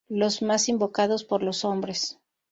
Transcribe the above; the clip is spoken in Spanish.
Los más invocados por los hombres.